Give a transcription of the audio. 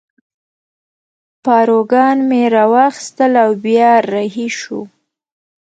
پاروګان مې را واخیستل او بیا رهي شوو.